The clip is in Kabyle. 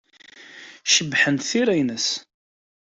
Cebḥent tira-nnes.